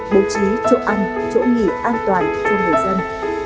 bố trí chỗ ăn chỗ nghỉ an toàn cho người dân